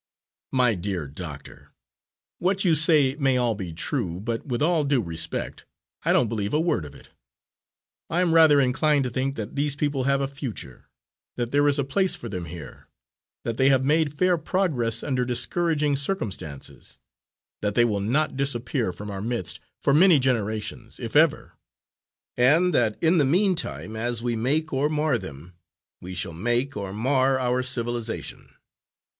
"My dear doctor, what you say may all be true, but, with all due respect, I don't believe a word of it. I am rather inclined to think that these people have a future; that there is a place for them here; that they have made fair progress under discouraging circumstances; that they will not disappear from our midst for many generations, if ever; and that in the meantime, as we make or mar them, we shall make or mar our civilisation.